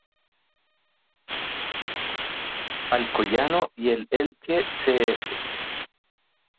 Alcoyano y el Elche C. F..